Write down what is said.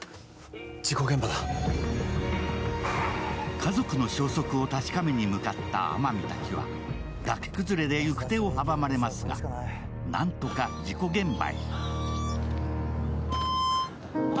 家族の消息を確かめに向かった天海たちは崖崩れで行く手を阻まれますがなんとか事故現場へ。